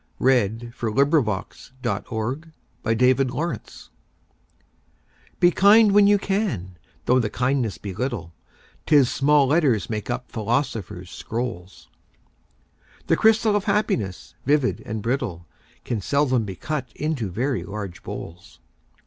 146033Be Kind When You CanEliza Cook Be kind when you can, though the kindness be little, 'Tis small letters make up philosophers' scrolls; The crystal of Happiness, vivid and brittle, Can seldom be cut into very large bowls.